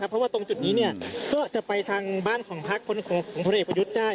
เพราะว่าตรงจุดนี้ก็จะไปทางบ้านของพักของพลเอกประยุทธ์ได้